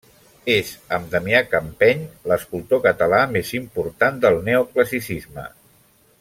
És, amb Damià Campeny, l'escultor català més important del Neoclassicisme.